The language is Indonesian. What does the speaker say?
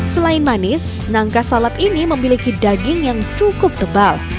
selain manis nangka salad ini memiliki daging yang cukup tebal